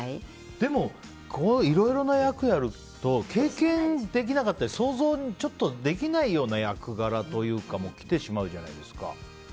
でも、いろいろな役やると経験できなかったり想像できないような役柄というかが来てしまうじゃないですか。